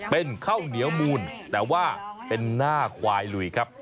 เป็นข้าวเหนียวมูลแต่ว่าเป็นหน้าควายลุยครับ